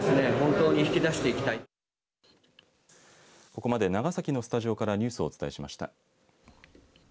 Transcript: ここまで長崎のスタジオからニュースをお伝えしました。